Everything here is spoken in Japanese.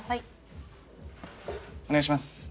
・お願いします。